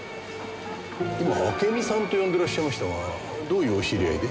今明美さんと呼んでらっしゃいましたがどういうお知り合いで？